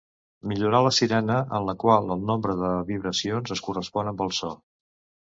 Millorà la sirena en la qual el nombre de vibracions es correspon amb el so.